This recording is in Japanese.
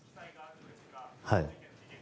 はい。